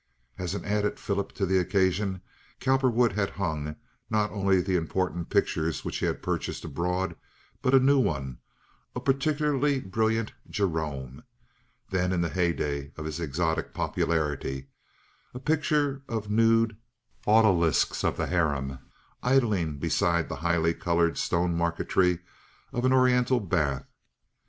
As an added fillip to the occasion Cowperwood had hung, not only the important pictures which he had purchased abroad, but a new one—a particularly brilliant Gerome, then in the heyday of his exotic popularity—a picture of nude odalisques of the harem, idling beside the highly colored stone marquetry of an oriental bath.